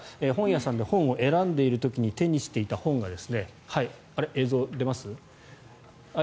本屋さんで本を選んでいる時に手にしていた本が。